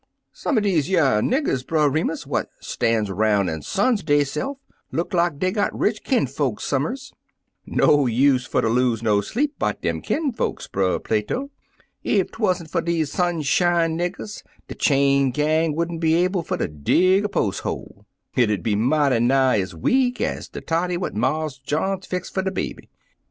" Some er dese ycr niggers, Brer Remus, what Stan's 'roun' an' suns de3rse'f look lak dat dey got rich kinfolks some'rs/' "No use fer ter lose no sleep 'bout dem kinfolks, Brer Plato. Ef 'twan't for dese sunshine niggers, de chain gang would n't be able fer ter dig er pos' hole. Hit 'ud be mighty nigh ez weak ez de toddy what Marse John mix fer de baby.